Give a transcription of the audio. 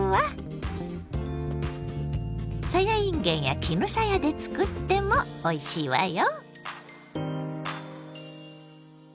さやいんげんや絹さやで作ってもおいしいわよ。